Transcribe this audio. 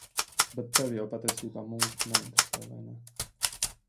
Bet tevi jau patiesībā mūzika neinteresē, vai ne?